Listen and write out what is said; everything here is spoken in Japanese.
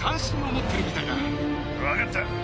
分かった。